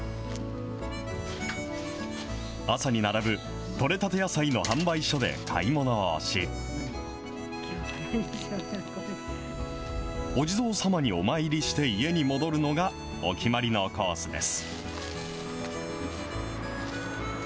朝に並ぶ取れたて野菜の販売所で買い物をし、お地蔵さまにお参りして家に戻るのがお決まりのコースです。